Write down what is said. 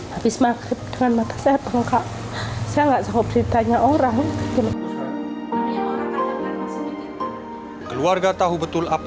habis maket dengan mata saya bengkak saya nggak sanggup ditanya orang keluarga tahu betul apa